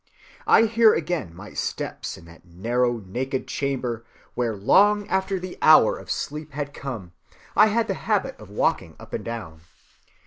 I hear again my steps in that narrow naked chamber where long after the hour of sleep had come I had the habit of walking up and down.